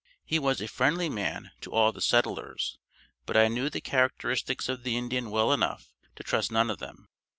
He was a friendly man to all the settlers, but I knew the characteristics of the Indian well enough to trust none of them.